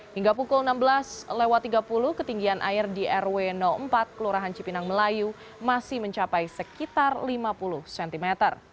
hingga pukul enam belas tiga puluh ketinggian air di rw empat kelurahan cipinang melayu masih mencapai sekitar lima puluh cm